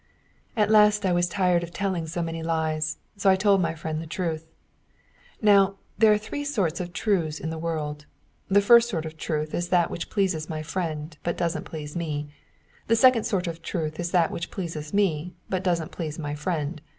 At last I was tired of telling so many lies, so I told my friend the truth. Now, there are three sorts of truths in the world. The first sort of truth is that which pleases my friend, but doesn't please me. The second sort of truth is that which pleases me, but doesn't please my friend.